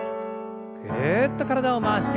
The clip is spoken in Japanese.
ぐるっと体を回して。